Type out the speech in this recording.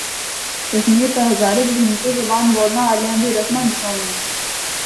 کشمیر تے ہزارے بچ ہندکو زبان بولنا آلیاں دیاں رسماں بھی سہنڑیاں ہن۔